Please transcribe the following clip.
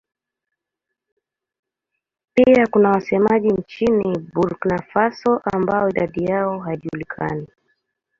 Pia kuna wasemaji nchini Burkina Faso ambao idadi yao haijulikani.